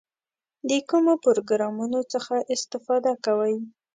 د کومو پروګرامونو څخه استفاده کوئ؟